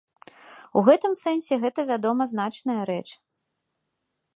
У гэтым сэнсе гэта, вядома, значная рэч.